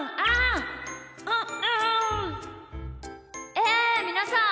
えみなさん